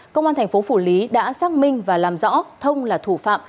công an thành phố phủ lý đã xác minh và làm rõ thông là thủ phạm